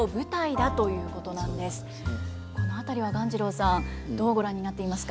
この辺りは鴈治郎さんどうご覧になっていますか。